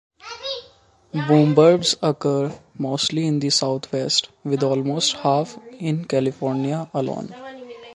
Boomburbs occur mostly in the Southwest, with almost half in California alone.